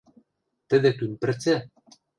Тӹдӹ кӱн пӹрцӹ?